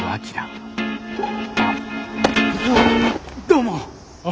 どうも！